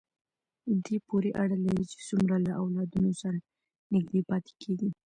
دې پورې اړه لري چې څومره له اولادونو سره نږدې پاتې کېږي.